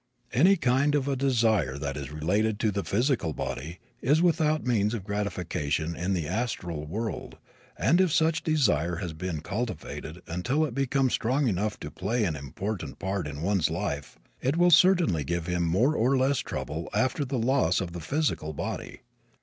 Any kind of a desire that is related to the physical body is without means of gratification in the astral world and if such desire has been cultivated until it becomes strong enough to play an important part in one's life it will certainly give him more or less trouble after the loss of the physical body.